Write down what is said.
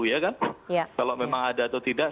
ya kan kalau memang ada atau tidak